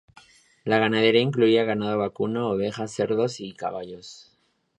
La ganadería incluía ganado vacuno, ovejas, cerdos y caballos.